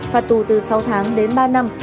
phạt tù từ sáu tháng đến ba năm